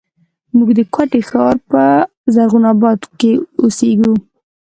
موږ د کوټي ښار په زرغون آباد کښې اوسېږو